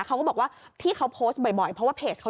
แล้วที่เขาโพสต์บ่อยเพราะว่าเพจเขา